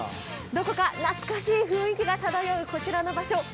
どこか懐かしい雰囲気が漂うこちらの場所。